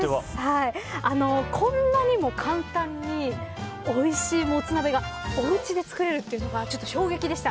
こんなにも簡単においしいモツ鍋がおうちで作れるというのが衝撃的でした。